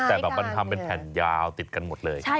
แต่มันทำให้แผ่นยาวติดกันหมดเลย